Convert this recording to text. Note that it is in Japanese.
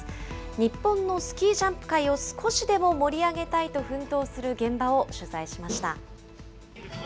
日本のスキージャンプ界を少しでも盛り上げたいと奮闘する現場を取材しました。